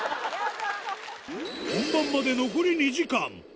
本番まで残り２時間。